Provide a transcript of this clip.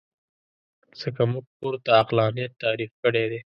ځکه موږ پورته عقلانیت تعریف کړی دی.